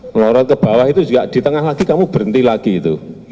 melorot ke bawah itu juga di tengah lagi kamu berhenti lagi itu